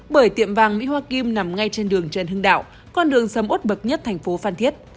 bởi tiệm vàng mỹ hoa kim nằm ngay trên đường trần hưng đạo con đường sầm ốt bậc nhất thành phố phan thiết